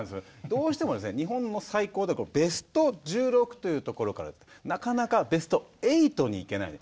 どうしても日本の最高だとベスト１６というところからなかなかベスト８に行けない。